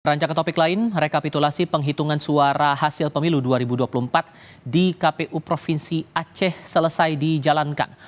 rancang ke topik lain rekapitulasi penghitungan suara hasil pemilu dua ribu dua puluh empat di kpu provinsi aceh selesai dijalankan